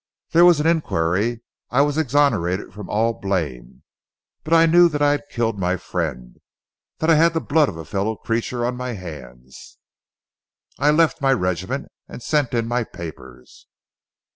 "There was an inquiry. I was exonerated from all blame. But I knew that I had killed my friend, that I had the blood of a fellow creature on my hands. I left my regiment and sent in my papers.